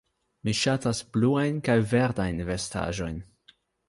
Mi ŝatas bluajn kaj verdajn vestaĵojn.